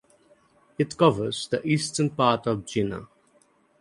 It covers the eastern part of Jena.